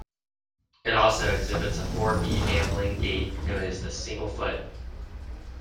It also exhibits a four-beat ambling gait known as the "single-foot".